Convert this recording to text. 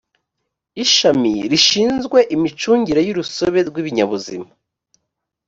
ishami rishinzwe imicungire y urusobe rw’ ibinyabuzima